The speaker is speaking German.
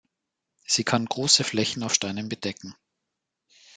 Sie kann große Flächen auf Steinen bedecken.